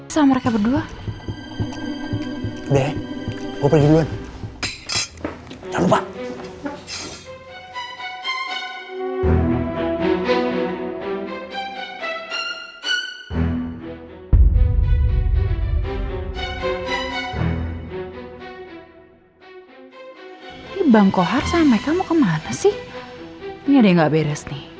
sampai jumpa di video selanjutnya